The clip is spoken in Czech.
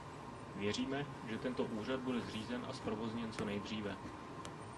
Věříme, že tento úřad bude zřízen a zprovozněn co nejdříve.